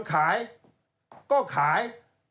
ไอ้คนขายก็ขาย